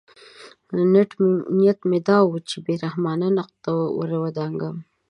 نیت مې دا و چې بې رحمانه نقد ته ورودانګم.